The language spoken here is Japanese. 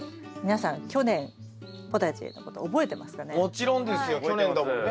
もちろんですよ去年だもんね。